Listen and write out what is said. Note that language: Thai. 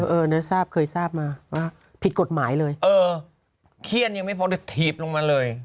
เออนะทราบเคยทราบมาว่าผิดกฎหมายเลยเออเครียดยังไม่พอเลยถีบลงมาเลย